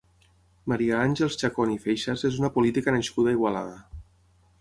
Maria Àngels Chacón i Feixas és una política nascuda a Igualada.